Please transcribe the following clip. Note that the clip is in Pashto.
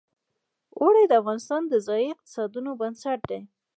اوړي د افغانستان د ځایي اقتصادونو بنسټ دی.